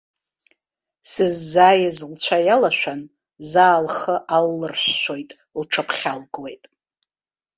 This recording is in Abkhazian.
Сыззааиз лцәа иалашәан, заа лхы аллыршәшәоит, лҽыԥхьалкуеит.